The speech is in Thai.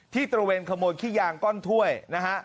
ตระเวนขโมยขี้ยางก้อนถ้วยนะฮะ